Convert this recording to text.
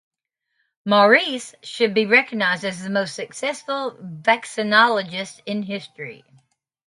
Maurice should be recognized as the most successful vaccinologist in history.